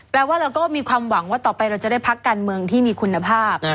แปลว่าเราก็มีความหวังว่าต่อไปเราจะได้พักการเมืองที่มีคุณภาพ